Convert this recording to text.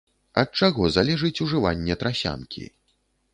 Ад чаго залежыць ужыванне трасянкі.